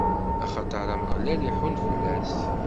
axaṭer Ameɣlal iḥunn fell-as.